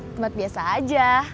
tempat biasa aja